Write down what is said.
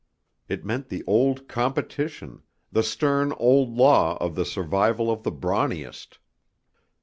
It meant the old competition, the stern old law of the survival of the brawniest.